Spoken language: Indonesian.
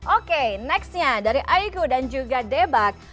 oke nextnya dari aigu dan juga debak